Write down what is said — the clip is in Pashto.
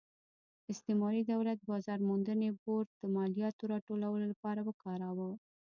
استعماري دولت بازار موندنې بورډ د مالیاتو راټولولو لپاره وکاراوه.